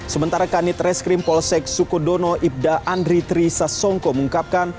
sementara kanit reskrim polsek sukodono ibda andri trisa songko mengungkapkan